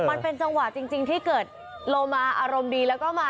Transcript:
มันเป็นจังหวะจริงที่เกิดโลมาอารมณ์ดีแล้วก็มา